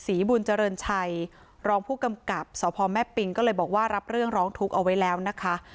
ศรีบุญเจริญชัยรองผู้กำกับสพแม่ปิงก็เลยบอกว่ารับเรื่องร้องทุกข์เอาไว้แล้วนะคะ